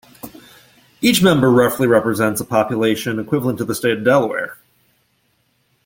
Each member roughly represents a population equivalent to the state of Delaware.